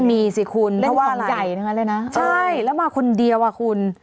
ไม่มีสิคุณเพราะว่าอะไรใช่แล้วมาคนเดียวอ่ะคุณ